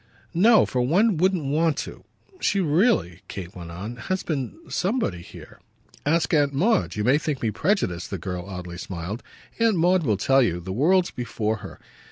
"No for one wouldn't want to. She really," Kate went on, "has been somebody here. Ask Aunt Maud you may think me prejudiced," the girl oddly smiled. "Aunt Maud will tell you the world's before her.